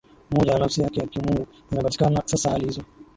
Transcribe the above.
umoja na nafsi yake ya Kimungu zinapatikana sasa hali hizo